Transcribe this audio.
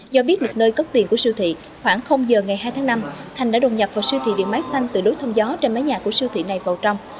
do biết một nơi cất tiền của siêu thị khoảng giờ ngày hai tháng năm thành đã đột nhập vào siêu thị điện máy xanh từ đối thông gió trên mái nhà của siêu thị này vào trong